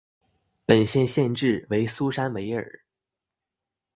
本县县治为苏珊维尔。